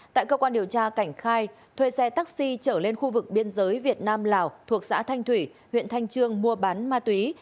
tại cơ quan điều tra cảnh khai thuê xe taxi trở lên khu vực biên giới việt nam lào thuộc xã thanh thủy huyện thanh trương mua bán ma túy